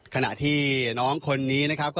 ขณะที่น้องคนนี้นะครับ